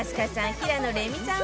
平野レミさん